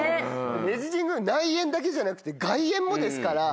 明治神宮内苑だけじゃなくて外苑もですから。